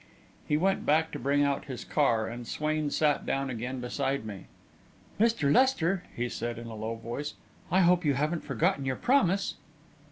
He went back to bring out his car, and Swain sat down again beside me. "Mr. Lester," he said, in a low voice, "I hope you haven't forgotten your promise."